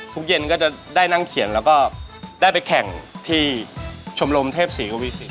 เย็นก็จะได้นั่งเขียนแล้วก็ได้ไปแข่งที่ชมรมเทพศรีกวีสิน